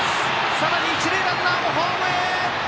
さらに一塁ランナーもホームイン。